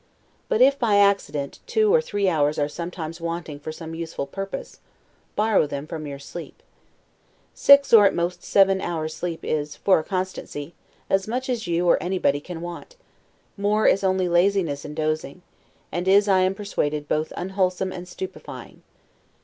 But if, by accident, two or three hours are sometimes wanting for some useful purpose, borrow them from your sleep. Six, or at most seven hours sleep is, for a constancy, as much as you or anybody can want; more is only laziness and dozing; and is, I am persuaded, both unwholesome and stupefying.